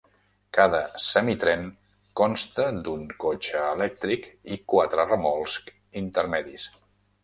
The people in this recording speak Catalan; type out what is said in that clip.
Cada semitren consta d'un cotxe elèctric i quatre remolcs intermedis.